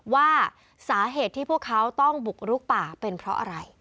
ว่าสาเหตุที่พวกเขาต้องบุกลุกป่าเป็นเพราะอะไร